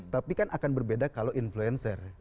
tapi kan akan berbeda kalau influencer